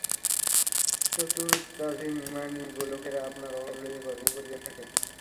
চতুরতাভিমানী লোকেরা আপনার অভাব লইয়া গর্ব করিয়া থাকে।